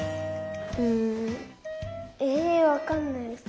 うんえわかんない。